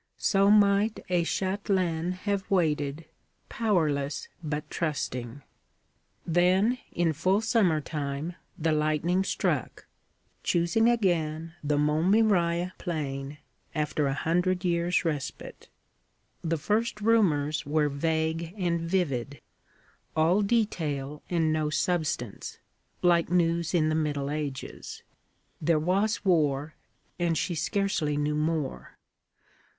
So might a châtelaine have waited, powerless but trusting. Then, in full summer time, the lightning struck, choosing again the Montmirail plain, after a hundred years' respite. The first rumors were vague and vivid all detail and no substance, like news in the Middle Ages. There was war, and she scarcely knew more.